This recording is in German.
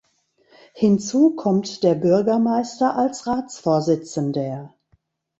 Hinzu kommt der Bürgermeister als Ratsvorsitzender.